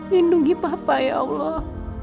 lindungi papa ya allah